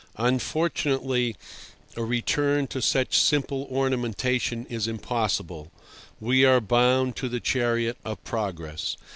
Unfortunately, a return to such simple ornamentation is impossible. We are bound to the chariot of progress.